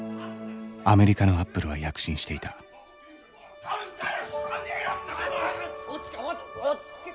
アメリカのアップルは躍進していた分かるかよ！